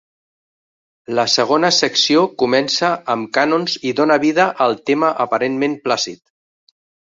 La segona secció comença amb cànons i dóna vida al tema aparentment plàcid.